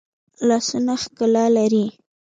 لاسونه ښکلا لري